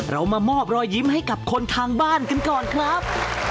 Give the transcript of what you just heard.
เรามามอบรอยยิ้มให้กับคนทางบ้านกันก่อนครับ